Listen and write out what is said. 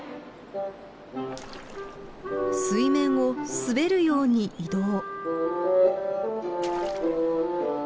水面を滑るように移動。